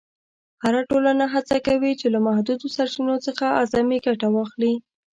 هره ټولنه هڅه کوي چې له محدودو سرچینو څخه اعظمي ګټه واخلي.